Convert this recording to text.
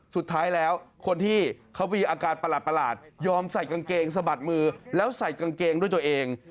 สุดท้ายแล้วคนที่เขามีอาการประหลาดยอมใส่กางเกงสะบัดมือแล้วใส่กางเกงด้วยตัวเอง